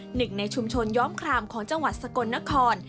หนึ่งในชุมชนย้อมครามของจังหวัดสกลนคร